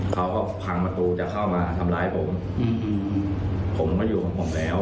เขาก็พังประตูจะเข้ามาทำร้ายผมอืมผมก็อยู่ของผมแล้ว